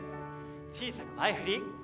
小さく前振り。